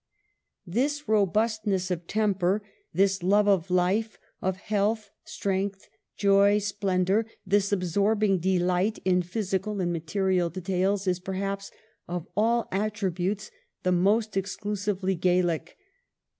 THE '' HEPTAMERONP 249 This robustness of temper, this love of life, of health, strength, joy, splendor, this absorbing delight in physical and material details, is per haps of all attributes the most exclusively Gallic.